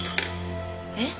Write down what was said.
えっ？